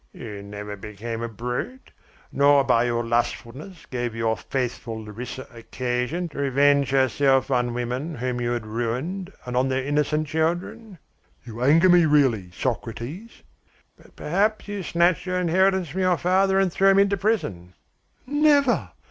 "You never became a brute, nor by your lustfulness gave your faithful Larissa occasion to revenge herself on women whom you had ruined and on their innocent children?" "You anger me, really, Socrates." "But perhaps you snatched your inheritance from your father and threw him into prison?" "Never!